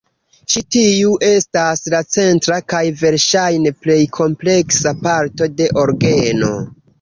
Ĉi tiu estas la centra kaj verŝajne plej kompleksa parto de orgeno.